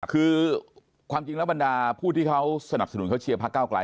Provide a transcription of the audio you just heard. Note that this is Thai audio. คือความจริงแล้วบรรดาผู้ที่เขาสนับสนุนเขาเชียร์พระเก้าไกล